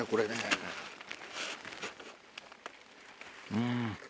うん。